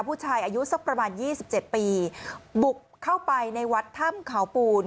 ผู้ชายอายุประมาณ๒๗ปีบุกเข้าไปวัดธรรมขาวปูีน